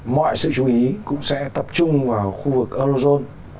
mọi sự chú ý cũng sẽ tập trung vào khu vực eurozone